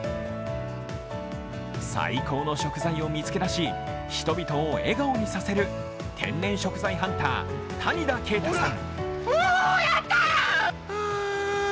最高の食材を見つけ出し、人々を笑顔にさせる天然食材ハンター・谷田圭太さん。